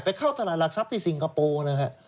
เข้าตลาดหลักทรัพย์ที่สิงคโปร์นะฮะ